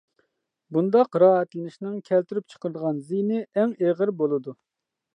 بۇنداق راھەتلىنىشنىڭ كەلتۈرۈپ چىقىرىدىغان زىيىنى ئەڭ ئېغىر بولىدۇ.